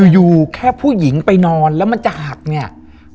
อยู่แค่ผู้หญิงไปนอนแล้วมันจะหักเนี่ย